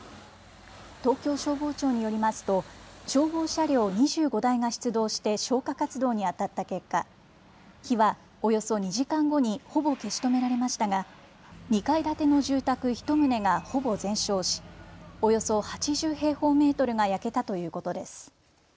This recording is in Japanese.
東京消防庁によりますと消防車両２５台が出動して消火活動にあたった結果、火はおよそ２時間後にほぼ消し止められましたが２階建ての住宅１棟がほぼ全焼しおよそ８０平方メートルが焼けたということです。